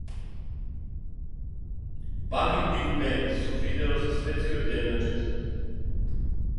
Баги Биг Бенд со видео за Светскиот ден на џезот